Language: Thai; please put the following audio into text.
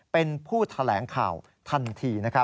เป็นผู้แถลงข่าวทันที